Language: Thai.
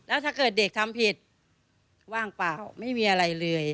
แล้วถ้าเกิดเด็กทำผิดว่างเปล่าไม่มีอะไรเลย